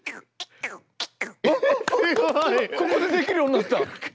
ここでできるようになった！